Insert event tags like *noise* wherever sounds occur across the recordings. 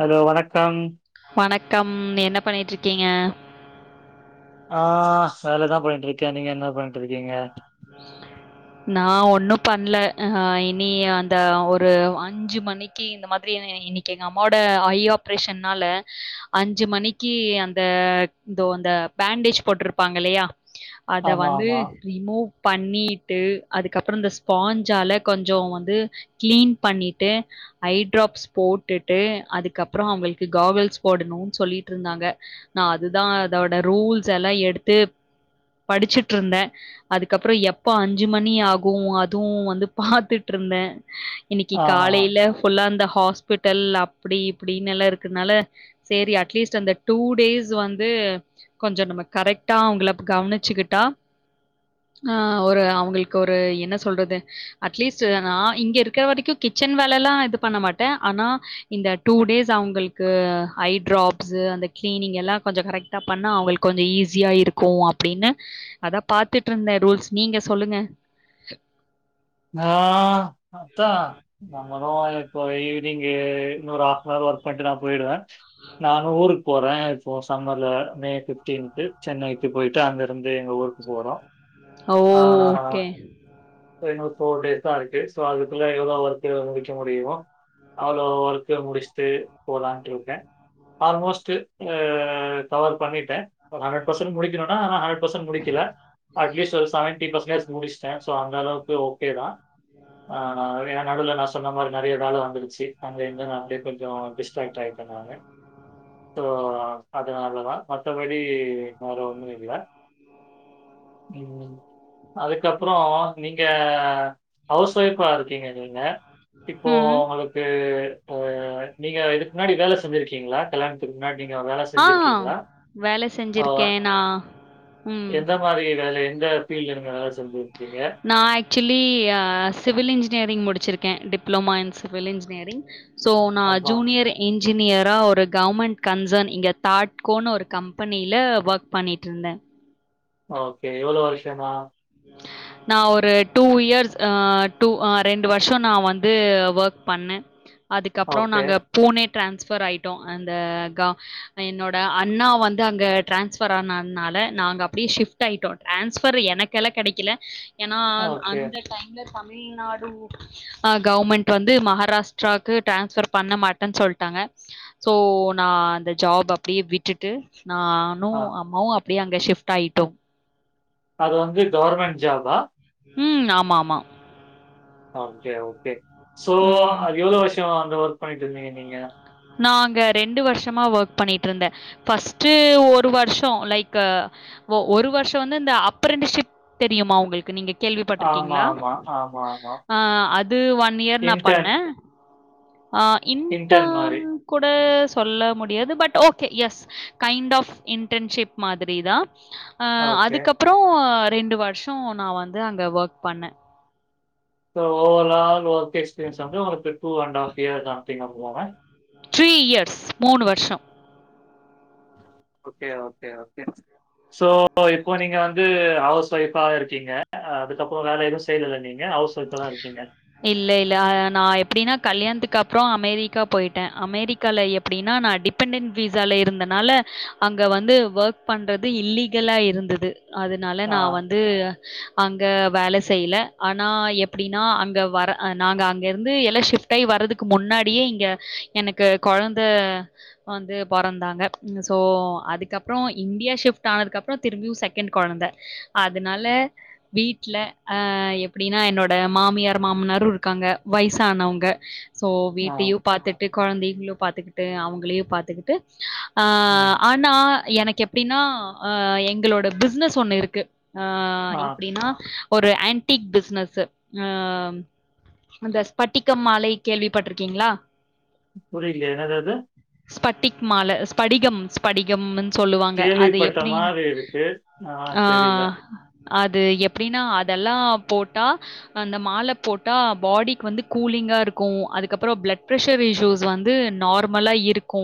Hello வணக்கம் கம் என்ன பண்ணிட்டு இருக்கீங்க ஆ வேலதா பண்ணிட்டு இருக்க நீங்க என்ன பண்ணிட்டு இர்க்கீங்க நா ஒன்னு பண்ணல இனி அந்த ஒரு அஞ்சு மணிக்கு இந்த மாதிரி இன்னைக்கு எங்க அம்மாவோட ஐ ஆப்ரேஷன்னால அஞ்சு மணிக்கு அந்த இதோ அந்த பேண்டேஜ் போட்ருப்பாங் களயா அத ஆமா, வந்து ஆமா. ரிமூ பண்ணிட்டு அதுக்கப்புற இந்த ஸ்பாஞ்சால கொஞ்ச வந்து கிளீன் பண்ணிட்டு ஐடிரராப்ஸ் போட்டுட்டு அதுக்கப்பறோ அவ்ங்களுக்கு காவெல்ஸ் போடணுனு சொல்லிட்ருந்தாங்க நா அதுதா அதோட ரூல்ஸ் எல்லா எடுத்து டு படிச்சுட்டு இருந்த அதுக்கப்றோ எப்போ அஞ்சு மணி ஆகு அதுவு வந்து பாத்துட்ருந்த இன்னிக்கி ஆஹஹா. காலைல ஃபுல்ல அந்த ஹாஸ்பிட்டல் அப்டி இப்டினு எல்லா இருக்கனால சேரி அட்லீஸ்ட் அந்த டூ டேஸ் வந்து கொஞ்ச நம்ம கரெக் டா அவ்ங்ள கவனிச்சுக்கிட்டா அ ஒரு அவுங்குள்க்கு ஒரு என்ன சொல்றது அட்லீஸ்ட் ந இங்க இருக்கிற வரைக்கு கிச்சன் வேல எல்லா இது பண்ண மாட்ட ஆனா இந்த டூ டேஸ் அவங்களுக்கு ஐ டிராப்ஸ் அந்த கிளனிங் எல்லா கொஞ்ச கரெக்ட பண்ண அவங்களுக்கு கொஞ்ச ஈஸ் ஸியா இருக்கு அப்டின்னு அதா பாத்துட்ருந்த ரூல்ஸ் நீங்க சொல்லுங்க நா அதா *unintelligible* போயி நீங்க இன்னொரு ஹாஃப் அன் ஹவர் ஒர்க் பண்ணிட்டு நா போயிடுவ நானு ஊருக்கு போற இப்போ சம்மர்ல மே ஃபிஃப்டீன்த் சென்னைக்கு போயிட்டு அங்க இருந்து எங்க ஊருக்கு போறோ ஓ ஓகே இதோ இன்னு ஒரு ஃபோர் டேஸ் தா இருக்கு சோ அதுக்குள்ள எவ்வளோ ஒர்க்கு முடிக்க முடியுமோ அவ்ளோ ஒர்க்கு முடிச்சுட்டு போலான்ட்டு இருக்க ஆல்மோஸ்ட்டு அ கவர் பண்ணிட்ட ஒரு ஹண்ட்ரட் பர்சன்ட் முடிக்கணுனா ஹண்ட்ரட் பர்சன்ட் முடிக்கல அட்லீஸ்ட் ஒரு சவன் டி பஸ்னேஸ் முடிச்ட்ட சோ அந்த அளவு து ஓகே தா அ நா என் நடுவுல நா சொன்ன மாரி நறைய வேல வந்துடுச்சு அந்த இந்தனு அப்டியே கொஞ்ச டிஸ்ட்ராக்ட் ஆயிட்டா நானு சோ அதுனல்லதா மத்தபடி டி வேற ஒன்னு இல்ல ம் அதுக்கப்புறோ நீ ங்க ஹவுஸ் வைஃப் இருக்கீங்க நீங்க இப்போ ம். உங்களுக்கு அ நீங்க இது முன்னாடி வேல செஞ்சிருக்கீங்களா கல்யாணத்துக்கு முன்னாடி நீங்க வேல ஆ செஞ்சிருக்கீங்களா வேலை அ செஞ்சிருக்கேன் நான். ம். எந்த மாரி வேலே எந்த ஃபீல்ட் நீங்க வேல செஞ்சீங் நா எக் ஆக்சுவலி சிவில் இன்ஜினியரிங் முடிச்சிருக்க diploma in civil engineering so நா அப்பா! ஜூனியர் இன் இன்ஜினியரா ஒரு கவ்மண்ட் கன்சர்ன் இங்கே தாட்கோன்னு ஒரு கம்பெனியில ஓக் பண்ணிட்ருந்த ஓகே எவளு வருஷமா நானஒரு டூ இயர்ஸ் ஆ டூ ரெண்டு வர்ஷ நா வந்து ஓக் பண்ணே அதுக்கப்றோ ஓகே, நாங்க பூனே ட்ரான்ஸபெர் ஆட்டோ அந்த என்னோட அண்ணா வந்து அங்க ட்ரான்ஸ்பர் ஆனதுனால நாங்கள்ங்க அப்படியே ஷிஃப்ட் ஆட்டோ ட்ரான்ஸ்பர் எனக் கெல கெடக்கில ஏன்னா ஓகே. அந்த டைம்ல தமிழ்நாடு கவ்மண்ட் வந்து மகாராஷ்டிராக்கு டிரான்ஸபர் பண்ண மாட்டேன் சொல்டாங்க சோ நா அந்த ஜாப் அப்டியே விட்டுட்டு நானு ஆ. அம்மாவு அப் அப்டியே அங்க ஷிஃப்ட் ஆய்டோ அது வந்து கவர்மண்ட் ஜாபா ம் ஆமா ஆமா ஓகே ஓகே சோ ம். அது எவ்ளோ வர்ஷோ ஒர்க் பண்ணிட்டு இருந்தீங்க நீங்க நா அங்க ரெண்டு வருஷமா ஒர்க் பண்ணிட்ருந்தே ஃபர்ஸ்ட்டு ஒரு வருஷோ லைக் ஒரு வருஷோ வந்து இந்த அப்பரண்டஷிப் தெரியுமா உங்களுக்கு நீங்க ஆமா, கேள்விபட்ருக்கீங்களா ஆமா, ஆமா, ஆமா. அ அது ஒன் இயர் நா இன்டர்ன் பண்ணே அ இன்டர்ன் இன்டன் மாரி. கூட சொல்ல முடியாது but okay yes kind of internship மாதிரி தா அ ஓகே. அதுக்கப்பறோ ரெண்டு வருஷோ நா வந்து அங்க ஒர்க் பண்ணே சோ ஓவரால் ஒர்க் எக்ஸ்பிரியன்ஸ் வந்து ஒங்களுக்கு டூ அண்ட ஆஃப் இயர் தா சம்திங் அபோ வாங்க த்ரீ இயர்ஸ் மூணு வர்ஷோ ஓகே ஓகே ஓகே சோ இப்போ நீங்க வந்து ஹவுஸ் ஒய்ஃபா இருக்கீங்க அதுக்கப்றோ வேலை எதுவு செய்லேல நீங் இல்ல இல்ல அ நா எப்டினா கல்யாணத்துக்கு அப்றோ அமெரிக்கா போய்ட்டே அமெரிக்கால எப்பிடினா நா டிபெண்டன்ட் வீஸால இருந்தனால அங்க வந்து ஒர்க் பண்ணுறது இல்லீகலா இருந்தது அதுனால நா ஆ. வந்து அங்க வேல செய்ல ஆனா எப் ப்டின்னா அங்க வர அ நாங்க அங்க இருந்து எல்லா ஷிஃப்ட் ஆகி வரதுக்கு முன்னாடியே இங்க எனக்கு கொழந்த வந்து பொறந்தாங்க ஸோ அதுக்கப்றோ இந்தியா ஷிஃப்ட் ஆனதுக் அப்றோ திரும்பியும் செகண்ட் கொழந்தை அதுனால வீட்ல அ எப்டினா என்னோட ட மாமியார் மாமனாரும் இருக்காங்க வய்ஸ் ஆனவுங்க சோ ஆ, வீட்டையும் பாத்துட்டு கொழந்தைகளு பாத்துக்குட்டு அவுங்கலையு பாத்துக்குட்டு ஆ ம். ஆனா எனக்கு எப் எப்படின்னா அ எங்களோட பிசினஸ் ஒண்ணு இருக்கு அ ஆ. எப்டினா ஒரு ஆன்டிக் பிஸ்னஸு அ அந்த ஸ்பட்டிக மாலை கேள்விப்பட்டிருக்கீங்ளா புரிலயே என்னது அது ஸ்பட்டிக் மால ஸ்படிகம் ஸ்படிகம் சொல்லுவாங்க அது கேள்விப்பட்ட எப்டின்னு மாரி இருக்கு. ஆ தெரியல. அது எப்டின்னா அதல்லா போட்டா அந்த மால போட்டா பாடிக்கு வந்து கூலிங்கா இருக்கு அதுக்கப்றோ ப்ளட் ப்ரெஷர் இஷ்யூஸ் வந்து நார்மலா இருக்கு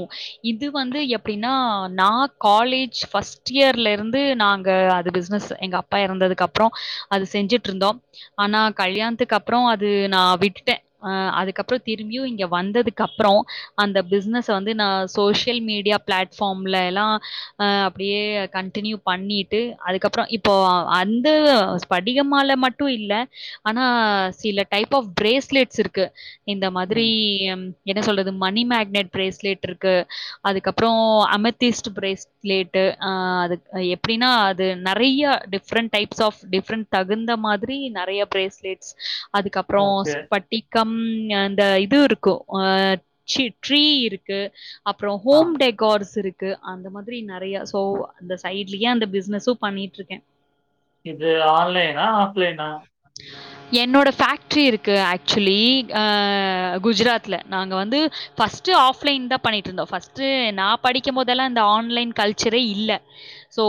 இது வந்து எப்டின்னா நான் காலேஜ் ஃபஸ்ட் இயர்ல இருந்து நாங்க அது பிஸ்னஸ் எங்க அப்பா இறந்ததுக்கப்றோ அது செஞ்சுட்ருந்தோம் ஆனா கல்யாணத்துக்கு அப்றோ அது நான் விட்டுட்டேன் அ அதுக்கப்றோ திரும்பியும் இங்க வந்ததுக்கப்றோ அந்த பிசினஸ வந்து நா சோசியல் மீடியா பிளாட்ஃபார்ம்லேலா அ அப்டியே கன்டினியூ பண்ணிட்டு அதுக்கப்றோ இப்போ அந்த ஸ்படிகமால மட்டு இல்ல ஆனா சில டைப் ஆஃப் பிரேஸ்லெட்ஸ் இருக்கு இந்த மாதிரி ம். என்ன சொல்றது இது மணி மேக்னட் பிரேஸ்லேட் இருக்கு அதுக்கப்றோ அமதிஸ்ட் பிரேஸ்லேட்டு ஆ எப்டின்னா அது நெறைய டிஃப்ரண்ட்‌ டைப்ஸ் ஆப் டிஃப்ரண்ட் தகுந்த மாதிரி நெறைய பிரேஸ் லேட்ஸ் அதுக்கப்றோ ஓகே. ஸ்பட்டிக்கம் அந்த இ துவ் இருக்கு அ சீ ட்ரீ இருக்கு அப்றோ ஆ. ஹோம் டெகார்ஸ் இரு க்கு அந்த மாதிரி நெறைய சோ அந்த சைட்லியுஅந்த பிஸ்னஸு பண்ணிட்ருக்கே இது ஆன்லைனா ஃப்லைனா என்னோட ஃபேக்ட்ரி இருக்கு ஆக்சுலி ஆ குஜராத்ல நாங்க வந்து ஃபஸ்ட்டு ஆஃப்லைன் தா பண்ணிட்ருந்தோ ஃபஸ்ட்டு நா படிக்கும்போதெல்லா இந்தந்த ஆன்லைன் கல்ச்சரே இல்ல ஸோ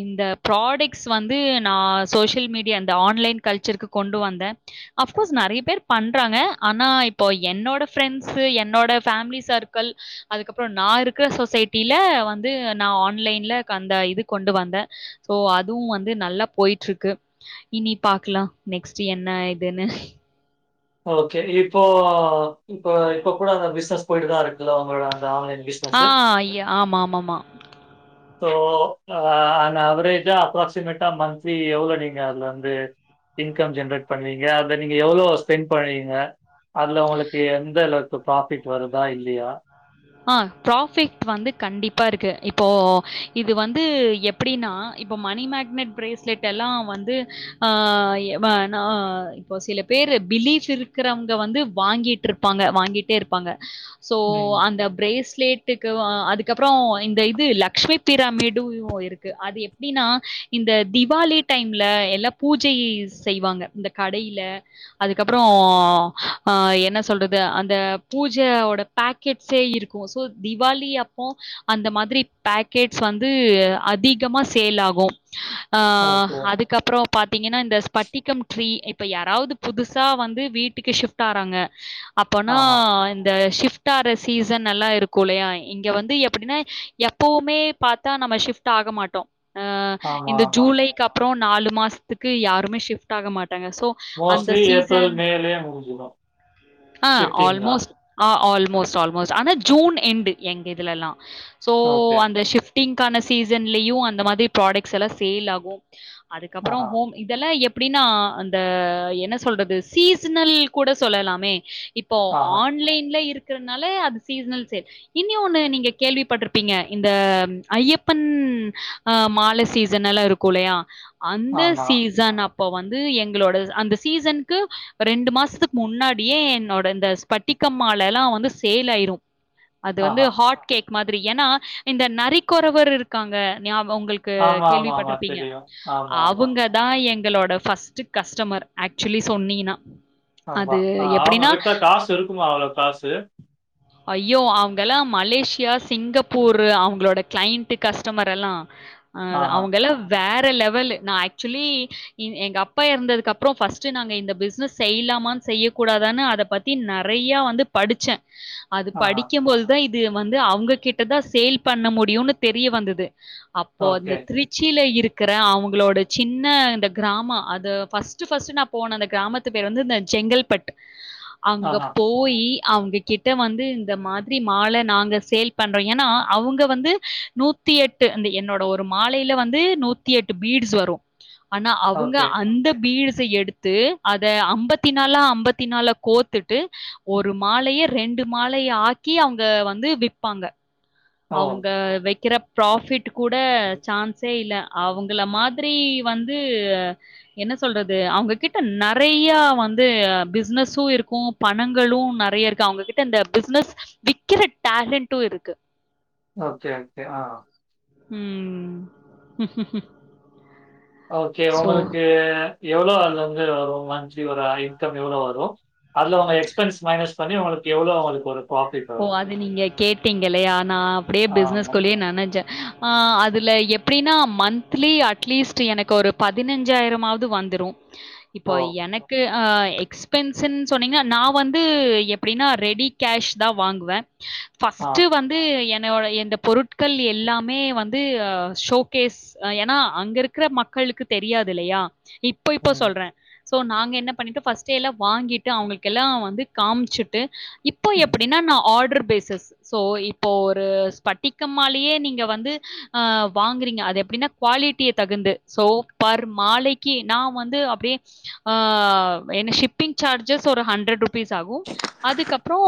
இந்த ப்ராடக்ஸ் வந்து நா சோஷியல் மீடியா த ஆன்லைன் கல்ச்சருக்கு கொண்டு வந்தே அஃப்கோர்ஸ் நெறைய பேர் பண்றாங்க ஆனா இப்போ என்னோட ப்ரெண்ஸு என்னோட ஃபேம்லி சர்க்கள் அதுக்கப்றோ நா இருக்கிற சொசைட்டில வந்து நா ஆன்லைன்ல அந்த இது கொண்டு வந்த சோ அதுவு வந்து நல்லா போய்ட்ருக்கு இனி பாக்கலா நெக்ஸ்டு என்ன இதுன்னு ஓகே இப்போ இப்ப இப்ப கூட அந்த பிஸ்னஸ் போய்ட்டு தா இருக்குல்ல உங்களோட அந்த ஆன்லைன் ஆ பிசினஸ். ய ஆமா ஆமாமா சோ ஆ ஆவரேஜா அப்ராக்சிமேட்டா மந்த்லி எவ்ளோ நீங்க அதுல வந்து இன்கம் ஜென்ரேட் பண்வீங்க அத நீங்க எவ்ளோ ஸ்பெண் பண்வீங்க அதுல உங்ளுக்கு எந்தள இப்போ ப்ராஃபிட் வருதா இல்லியா அ ப்ராஃபிட் வந்து கண்டிப்பா இருக்கு இப்போ இது வந்து எப்படீனா இப்போ மணி மேக்னெட் ப்ரேஸ்லெட் எல்லா வந்து ஆ எ ப நா இப்போ சில பேரு பிலீஃப் இருக்கிறவங்க வந்து வாங்கிட்டுருப்பாங்க வாங்கிட்டே இருப்பாங்க சோ ம். அந்த சிலேட்டுக்கு ஏ அ அதுக்கப்புறோ இந்த இது லக்ஷ்மி பிராமிடு *unintelligible* இருக்கு அது எப்டினா இந்த திவாலி டைம்ல எல்லா பூஜை செய்வாங்க இந்த கடையில அதுக்கப்புறோ அ என்ன சொல்றது அந்த பூஜா ஓட பேக்கெட்ஸே இருக் கு சோ திபாலி அப்போ அந்த மாதிரி பேக்கெட்ஸ் வந்து அதிகமா சேல் ஆகு அ ஓகே. அதுக்கப்புறோ பாத்தீங்கனா இந்த ஸ்பட்டிகம் ட்ரீ இப் ப யாராவ்து புதுசா வந்து வீட்டுக்கு ஷிஃப்ட் ஆறாங்க அப்போனா ஆஹா. இந்த ஷிஃப் ஸ்டார் ரசீஸ் நல்லா இருக்கு இல்லயா இங்க வந்து எப்படின்னா எப்பவுமே பார்த்தா நம்ம ஷிஃப்ட் ஆக மாட்டோ அ ஆமா, இந்த ஆமா. ஜூலைக்கு அப் மோ நாலு மாசத்க்கு யாருமே ஷிஃப்ட் ஆக மாட் மோஸ்ட்லி ஏப்ரல் மேலயே முடிஞ்சிடு ஷிஃப்டிங்ளா ஆல்மோஸ் ஆல்மோஸ் ஆனா ஜூன் எண்டு எங்க இதுலல்லா சோ ஓகே. அந்த ஷிஃப் டிங்கான சீசன்லயு அந்த மாதி ப்ராடக்ட்ஸ் எல்லா சேல் ஆகு அதுக்கப்புறோ ஆஹா, ஹோம் இதெல்லா எப் அப்படீனா அந்த என்ன சொல்றது சீசனல் கூட சொல்லலாமே இப்போ ஆஹா, ஆன்லைன்ல இருக் கறனால அது சீஸ்னல் சேல் இன்யூ ஒண்ணு நீங்க கேள்விப்பட்டிருப்பீங்க இந்த ம் ஐயப்பன் ஆ மால சீசன் எல்லா இருக்கு இல்லயா அந்த ஆமா, சீசன் அப் இப்போ வந்து எங்களோட அந்த சீசனுக்கு ரெண்டு மாசத்துக்கு முன்னாடியே என்னோட இந்த ஸ்பட்டிக்க மாலல்லா வந்து சேலாயிரு அது வந்து ஆஹா. ஹாட் கேக் மாதிரி ஏனா இந்த நரிக்குறவர் இருக்காங்க நியாப் உங்களுக்கு ஆமா, ஆமா, ஆமா. கேள்விப்பட்டிருப்பீங்க தெரியும். ஆமா, ஆமா. அவங்க தா எங் எங்களோட ஃபஸ்ட் கஸ்டமர் ஆக்சுவலி சொன்னிங்கனா ஆமா ஆ அவங்க கிட்டா காசு இருக்குமா அவ்வளவு காசு ஐயோ அவங்க எல்லா மலேசியா, சிங்கப்பூரு அவங்களோட கிளைண்ட்டு கஸ்டமர் எல்லா ஆ த் ஆஹா, அவங்க எல்லா வே ற லெவலு நா ஆக்சுவலி இ எங்க அப்பா இறந்ததுக்கு அப்புறோ ஃபஸ்ட்டு நாங்க இந்த பிசினஸ் செய்யலாமான்னு செய்யக்கூடாதானு அத பத்தி நறையா வந்து படிச்ச அது ஆஹா. படிக்கும்போதுதா இப் து வந்து அவங்க கிட்ட தா சேல் பண்ண முடியும்னு தெரிய வந்தது அப்போ ஓகே. அந்த திருச்சியில இருக் க்குற அவங்களோட சின்ன இந்த கிராம அது ஃபர்ஸ்ட்டு ஃபர்ஸ்ட்டு நா போன அந்த கிராமத்து பேரு வந்து இந்த செங்கல்பட்டு அங்க ஆஹா, போயி அவங்க கிட் ட்ட வந்து இந்த மாத்ரி மால நாங்க சேல் பண்றோ ஏனா அவங்க வந்து நூத்தி எட்டு அந்த என்னோட ஒரு மாலையில வந்து நூத்தி எட்டு பீட்ஸ் வரு ஆனா அவங்க ஓகே. அந்த பீடு ஸ எடுத்து அத அம்பத்தி நாளா அம்பத்தி நாளா கோத்துட்டு ஒரு மாலைய ரெண்டு மாலைய ஆக்கி அவங்க வந்து விப்பாங்க ஓ! அவங்க வெக்கிறப் ப்ராஃபிட் ட்டு கூட சான்ஸே இல்ல அவங்கள மாதுரி வந்து என்ன சொல்றது அவங்கிட்ட நறையா வந்து பிசனஸு இருக்கூ பணங்களு நறைய இருக்கு அவங்ககிட்ட இந்த பிசினஸ் விக்கிற டேலண்ட்டு இருக்கு ஓகே ஓகே ஆ ம் ஓகே சோ உங்களுக்கு எவ்ளோ அங்க வந்து அ ரூம் ஆச் ஜிவரா இன்கம் எவ்ளோ வரும் அதுல அவங்க எக்ஸ்பென்ஸ் மைனஸ் பண்ணி உங்களுக்கு எவ்வளோ அவங்களுக்கு ஒரு ப்ராஃபிட் ஓ வரும்? அது நீங்க கேட் டீங்கல்லையா நா அப்புடே ஆமா. பிசினஸ்குள்ளயே நனைச்சேன் ஆ அதுல எப்புடின்னா மந்த்லி அட்லீஸ்ட்டு எனக்கு ஒரு பதினஞ்சாயிரமாவது வந்துரும் ஓ! இப்போ எனக்கு ஆ எக்ஸ்பென்ஸன் சொன்னீங்க நான் வந்து எப்படின்னா ரெடி கேஷ் தான் தான் வாங்குவேன் ஆ. ஃபர்ஸ்ட் வந்து என் என்னோட இந்த பொருட்கள் எல்லாமே வந்து ஹ ஷோகேஸ் ஏன்னா அங்க இருக்கிற மக்களுக்கு தெரியாது இல்லையா இப்போ இப்போ ம். சொல்றேன் சோ நாங்க என்ன பண்ணிட்டு ஃபஸ்ட்டே எல்லாம் வாங்கிட்டு அவங்களுக்கு எல்லாம் வந்து காமிச்சுட்டு *unintelligible* தனை ஆர்டர் பேசஸ் சோ இப்போ ஒரு பட்டிக்க மாலையே நீங்க வந்து வாங்கறீங்க எப்படின்ன குவாலிட்டிய தகுந்து பெர் மாலைக்கு வ அப்படிய ஷிப்பிங் சார்ஜஸ் ஒரு ஹண்டர் ருபீஸ் பீஸ் ஆகும் அதுக்கப்புறம்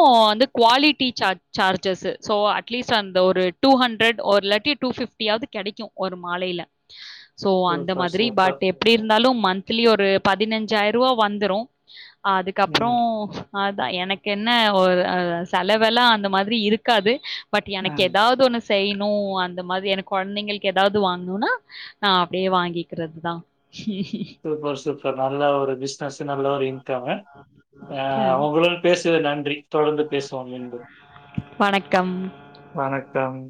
குவாலிட்டி சார் சார்ஜஸ் ஸோ அட்லீஸ்ட் அந்த ஒரு டூ ஹண்ட்ரட் இலலாட்டி டூ ஃபிப்டியாவது கிடைக்கும் ஒரு மாலையில ஸோ அந்த சூப்பர், மாதிரி சூப்பர். பட் எப்படி இருந்தாலும் மந்த்லி ஒரு பதினஞ்சாயிரம் ரூபா வந்துரும் அதுக்கப்புறம் ம். அதான் எனக்கு என்ன ஒரு அஹ் செலவெலாம் அந்த மாதிரி இருக்காது பட் எனக்கு ம். ஏதாவது ஒண்ணு செய்யணும் அந்த மாதிரி என குழந்தைங்களுக்கு ஏதாவது வாங்கணும்னா நான் அப்படியே வாங்கிக்கிறது தான் சூப்பர் சூப்பர் நல்ல ஒரு பிசினஸ் நல்ல ஒரு இன்கம்மு ஆஹ் உங்களோட பேசுவது நன்றி சரி. தொடர்ந்து பேசுவோம் மீண்டும் வணக்கம் வணக்கம்